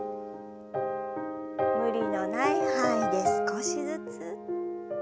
無理のない範囲で少しずつ。